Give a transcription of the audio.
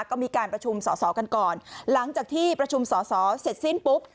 ก็มีการประชุมสอสอกันก่อนหลังจากที่ประชุมสอสอเสร็จสิ้นปุ๊บ